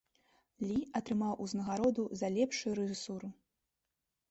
Лі атрымаў узнагароду за лепшую рэжысуру.